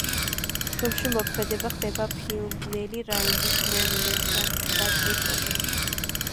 ფილმში მოქმედება ხდება ფილმ „ბნელი რაინდის“ მოვლენებიდან რვა წლის შემდეგ.